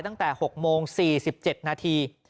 ตั้งแต่๖โมง๔๗นาที